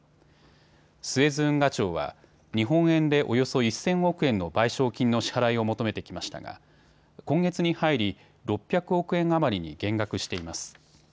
スエズ運河庁は日本円でおよそ１０００億円の賠償金の支払いを求めてきましたが今月に入り６００億円余りに減額しています。